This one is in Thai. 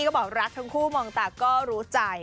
ก็บอกรักทั้งคู่มองตาก็รู้ใจ